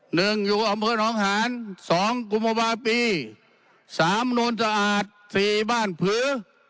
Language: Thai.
หนึ่งอยู่อำเภอน้องหารสองกุมบาปีสามโน้นสะอาดสี่บ้านผื้อ